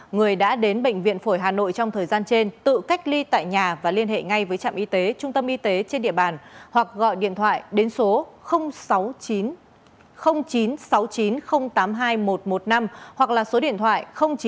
người đã đến bệnh viện phổi hà nội trong thời gian trên tự cách ly tại nhà và liên hệ ngay với trạm y tế trung tâm y tế trên địa bàn hoặc gọi điện thoại đến số sáu mươi chín chín trăm sáu mươi chín tám mươi hai nghìn một trăm một mươi năm hoặc số điện thoại chín trăm bốn mươi chín ba trăm chín mươi sáu một trăm một mươi năm